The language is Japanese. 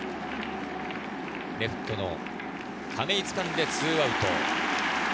レフト・亀井がつかんで２アウト。